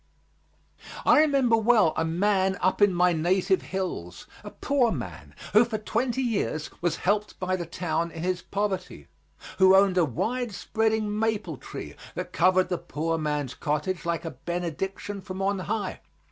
I remember well a man up in my native hills, a poor man, who for twenty years was helped by the town in his poverty, who owned a wide spreading maple tree that covered the poor man's cottage like a benediction from on high.